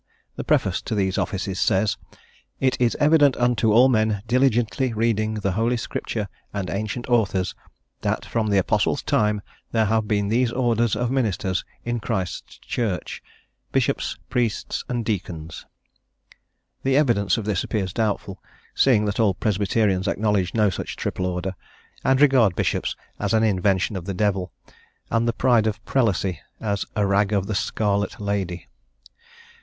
The preface to these offices says: "It is evident unto all men diligently reading the Holy Scripture and ancient authors, that from the Apostles' time there have been these orders of ministers in Christ's Church: Bishops, Priests, and Deacons." The "evidence" of this appears doubtful, seeing that all Presbyterians acknowledge no such triple order, and regard bishops as an invention of the devil, and "the pride of prelacy" as "a rag of the scarlet" lady.